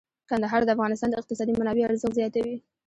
کندهار د افغانستان د اقتصادي منابعو ارزښت زیاتوي.